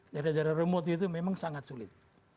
daerah daerah remote itu memang sangat sulit